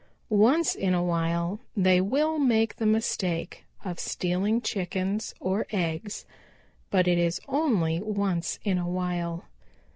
Once in a while they will make the mistake of stealing Chickens or eggs, but it is only once in a while.